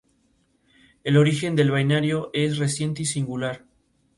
El origen del balneario es reciente y singular.